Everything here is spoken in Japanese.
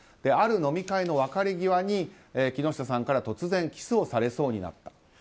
ある飲み会の別れ際に木下さんから突然、キスをされそうになった。